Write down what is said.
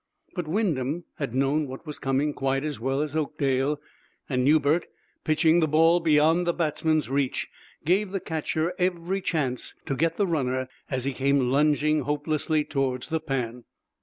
But Wyndham had known what was coming quite as well as Oakdale, and Newbert, pitching the ball beyond the batsman's reach, gave the catcher every chance to get the runner as he came lunging hopelessly toward the pan.